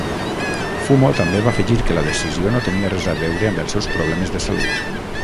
Fumo també va afegir que la decisió no tenia res a veure amb els seus problemes de salut.